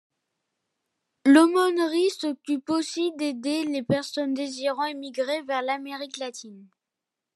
L’Aumônerie s’occupe aussi d'aider les personnes désirant émigrer vers l’Amérique latine.